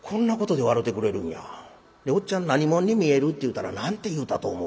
で「『おっちゃん何者に見える？』って言うたら何て言うたと思う？」。